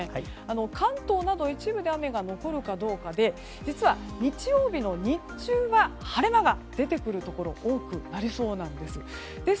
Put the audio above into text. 関東など一部で雨が残るかどうかで日曜日の日中は晴れ間が出てくるところ多くなりそうなんです。